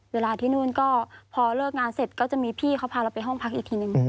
เวลาที่นู่นก็พอเลิกงานเสร็จก็จะมีพี่เขาพาเราไปห้องพักอีกทีนึง